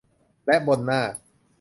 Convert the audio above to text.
และบนหน้า